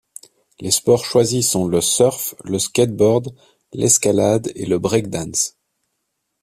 Les sports choisis sont le surf, le skateboard, l'escalade et le breakdance.